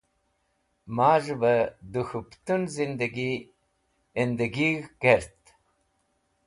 Maz̃hẽ bẽ dẽ k̃hũ pẽtun zindẽgi endagig̃h kert.